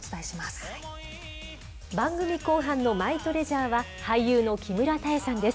番組後半のマイトレジャーは、俳優の木村多江さんです。